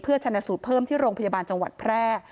ชนะสูตรเพิ่มที่โรงพยาบาลจังหวัดแพร่